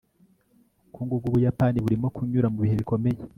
Ubukungu bwUbuyapani burimo kunyura mubihe bikomeye